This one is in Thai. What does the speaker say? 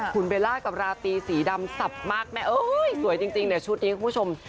คุณเบลล่ากับราตรีสีดำสับมากแม่เอ้ยสวยจริงเนี่ยชุดนี้คุณผู้ชม